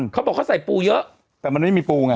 เขาบอกเขาใส่ปูเยอะแต่มันไม่มีปูไง